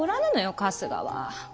春日は。